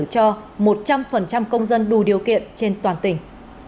cho một trăm linh công dân đủ điều kiện trên toàn tỉnh